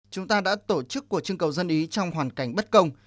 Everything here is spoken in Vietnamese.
chúng ta đã tổ chức cuộc trưng cầu dân ý trong hoàn cảnh bất công